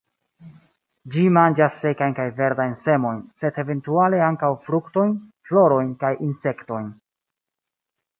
Ĝi manĝas sekajn kaj verdajn semojn, sed eventuale ankaŭ fruktojn, florojn kaj insektojn.